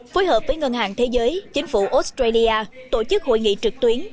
phối hợp với ngân hàng thế giới chính phủ australia tổ chức hội nghị trực tuyến